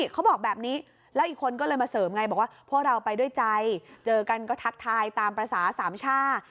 เขาบอกแบบนี้แล้วอีกคนก็เลยมาเสริมไงบอกว่าพวกเราไปด้วยใจเจอกันก็ทักทายตามภาษาสามช่า